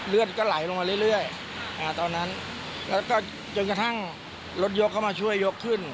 เลือดก็ไหลลงมาเรื่อยตอนนั้นแล้วก็จนกระทั่งรถยกเข้ามาช่วยยกขึ้น